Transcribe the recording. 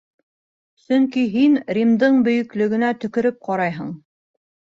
Сөнки һин Римдың бөйөклөгөнә төкөрөп ҡарайһың.